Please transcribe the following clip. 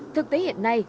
thực tế hiện nay